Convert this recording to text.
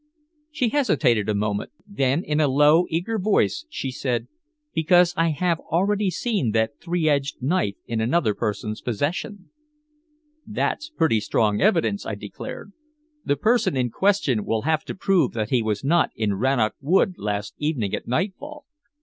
She hesitated a moment, then in a low, eager voice she said: "Because I have already seen that three edged knife in another person's possession." "That's pretty strong evidence," I declared. "The person in question will have to prove that he was not in Rannoch Wood last evening at nightfall."